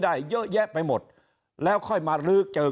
คราวนี้เจ้าหน้าที่ป่าไม้รับรองแนวเนี่ยจะต้องเป็นหนังสือจากอธิบดี